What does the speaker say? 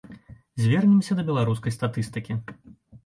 Звернемся да беларускай статыстыкі.